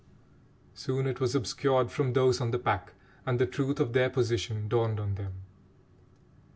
Soon it was obscured from those on the pack, and the truth of their position dawned on them.